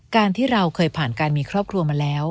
การที่เราเคยผ่านการมีครอบครัวมาแล้ว